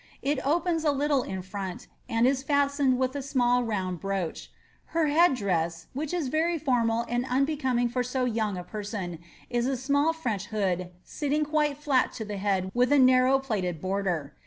It opens a little in front, and is fastened witii a small round broach, ller head dress, which is very formal and unbecoming for so young a person, is a small French hood sitting quite fiat to the head with a narrow plaited border.